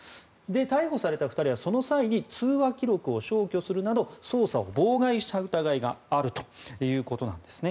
逮捕された２人はその際、通話記録を消去するなど、捜査を妨害した疑いがあるということです。